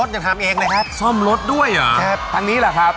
โชคความแม่นแทนนุ่มในศึกที่๒กันแล้วล่ะครับ